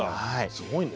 すごいね。